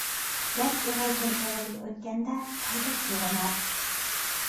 گەپ ئېغىزدىن ئېغىزغا ئۆتكەندە پىلدەك يوغىنار.